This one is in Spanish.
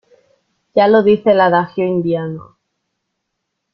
ya lo dice el adagio indiano: